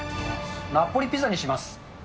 ナポリピザにします。